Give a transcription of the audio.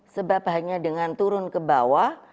sebab hanya dengan turun ke bawah